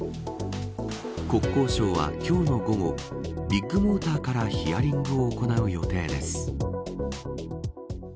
国交省は今日の午後ビッグモーターからヒアリングを行う予定です。